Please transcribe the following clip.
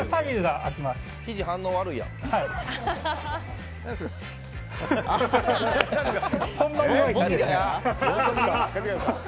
ひじ、反応悪いやん。